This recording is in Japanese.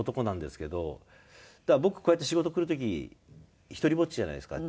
だから僕こうやって仕事来る時独りぼっちじゃないですかあっ